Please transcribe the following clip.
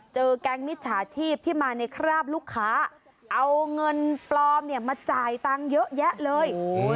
แก๊งมิจฉาชีพที่มาในคราบลูกค้าเอาเงินปลอมเนี่ยมาจ่ายตังค์เยอะแยะเลย